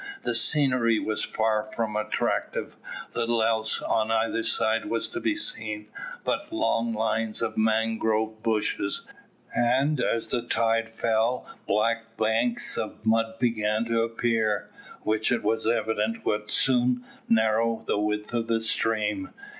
The scenery was far from attractive. Little else on either side was to be seen but long lines of mangrove bushes, and as the tide fell black banks of mud began to appear, which it was evident would soon narrow the width of the stream.